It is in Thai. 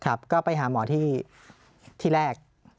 ครับก็ไปหาหมอที่แรก